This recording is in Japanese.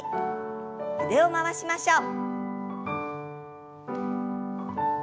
腕を回しましょう。